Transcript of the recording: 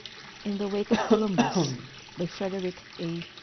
IN THE WAKE OF COLUMBUS. FREDERICK A.